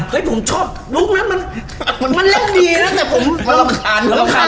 แต่ผมชอบลูกนั้นมันเร่งดีนะ